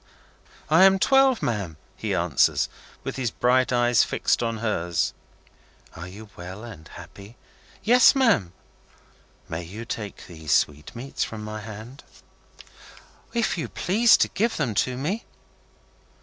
"I am twelve, ma'am," he answers, with his bright eyes fixed on hers. "Are you well and happy?" "Yes, ma'am." "May you take these sweetmeats from my hand?" "If you please to give them to me."